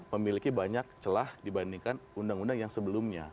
memiliki banyak celah dibandingkan undang undang yang sebelumnya